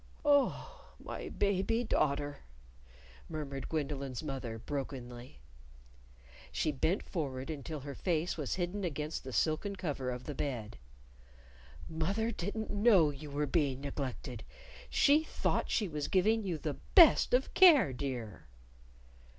"Oh, my baby daughter!" murmured Gwendolyn's mother, brokenly. She bent forward until her face was hidden against the silken cover of the bed. "Mother didn't know you were being neglected! She thought she was giving you the best of care, dear!"